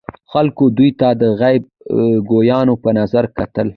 خلکو دوی ته د غیب ګویانو په نظر کتل.